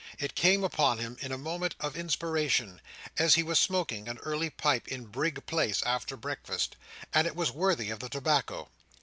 It came upon him in a moment of inspiration, as he was smoking an early pipe in Brig Place after breakfast; and it was worthy of the tobacco.